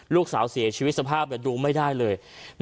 ลูกสาวเสียชีวิตสภาพดูไม่ได้เลย